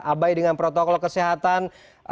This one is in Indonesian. abai dengan protokol kesehatan